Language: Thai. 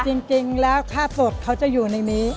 จริงแล้วค่าสดเขาจะอยู่ในนี้